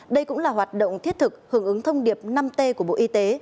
đây cũng là hoạt động thiết thực hưởng ứng thông điệp năm t của bộ y tế